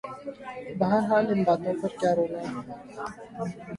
بہرحال ان باتوں پہ کیا رونا۔